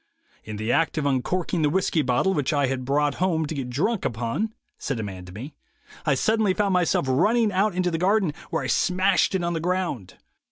'In the act of uncorking the whiskey bottle which I had brought home to get drunk upon,' said a man to me, 'I suddenly found myself running out into the garden, where I smashed it on the ground.